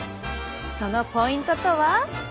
そのポイントとは。